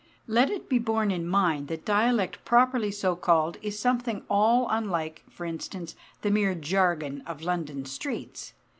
Let it be borne in mind that dialect properly so called is something all unlike, for instance, the mere jargon of London streets.